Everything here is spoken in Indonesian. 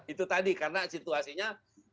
itu tadi karena situasinya